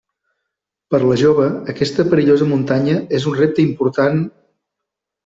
Per a la jove, aquesta perillosa muntanya és un repte important…